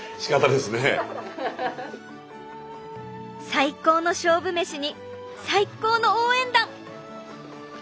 最高の勝負メシに最高の応援団！